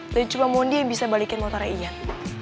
dan cuma mondi yang bisa balikin motornya ian